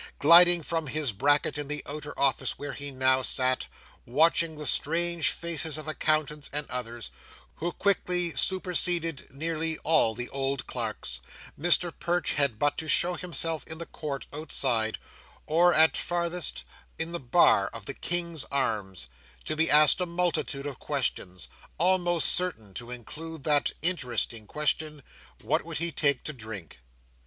Gliding from his bracket in the outer office where he now sat, watching the strange faces of accountants and others, who quickly superseded nearly all the old clerks, Mr Perch had but to show himself in the court outside, or, at farthest, in the bar of the King's Arms, to be asked a multitude of questions, almost certain to include that interesting question, what would he take to drink?